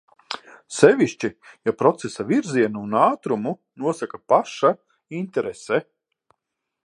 Sevišķi, ja procesa virzienu un ātrumu nosaka paša interese.